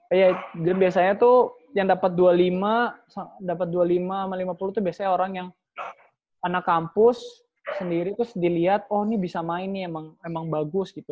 iya biasanya tuh yang dapet dua puluh lima sama lima puluh tuh biasanya orang yang anak kampus sendiri tuh dilihat oh ini bisa main nih emang bagus gitu